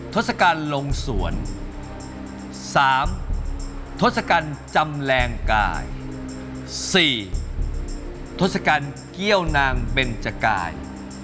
ทศกาลลงสวน๓ทศกัณฐ์จำแรงกาย๔ทศกัณฐ์เกี้ยวนางเบนจกาย